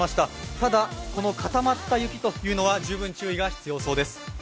ただ、この固まった雪には十分注意が必要そうです。